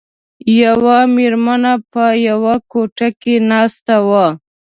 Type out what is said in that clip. یوه میرمن په یوه کوټه کې ناسته وه.